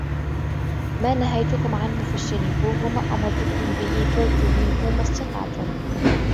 مَا نَهَيْتُكُمْ عَنْهُ فَاجْتَنِبُوهُ، وَمَا أَمَرْتُكُمْ بِهِ فَأْتُوا مِنْهُ مَا اسْتَطَعْتُمْ